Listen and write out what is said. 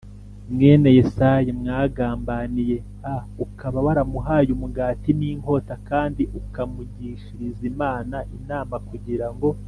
mwene Yesayi mwangambaniye a ukaba waramuhaye umugati n inkota kandi ukamugishiriza Imana inama kugira